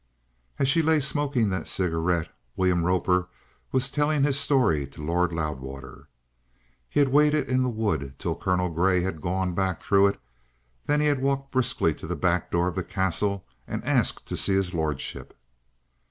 As she lay smoking that cigarette William Roper was telling his story to Lord Loudwater. He had waited in the wood till Colonel Grey had gone back through it; then he had walked briskly to the back door of the Castle and asked to see his lordship.